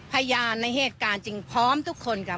พยานในเหตุการณ์จริงพร้อมทุกคนค่ะ